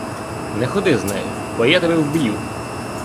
Не ходи з нею, бо я тебе вб'ю!